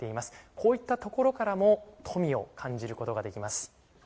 こういったところからも富を感じることができます。